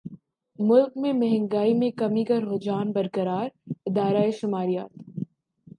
ملک میں مہنگائی میں کمی کا رجحان برقرار ادارہ شماریات